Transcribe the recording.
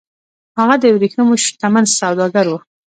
هغه د ورېښمو شتمن سوداګر و